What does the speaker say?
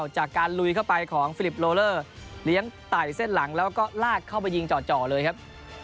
จากการลุยเข้าไปของฟิลิปโลเลอร์เลี้ยงไต่เส้นหลังแล้วก็ลากเข้าไปยิงจ่อเลยครับ